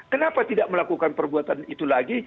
kenapa tidak melakukan perbuatan itu lagi